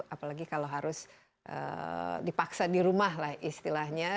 apalagi kalau harus dipaksa di rumah lah istilahnya